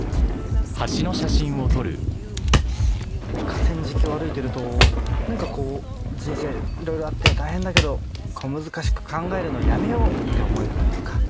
河川敷を歩いてると何かこう人生色々あって大変だけど小難しく考えるのやめようって思えるというか。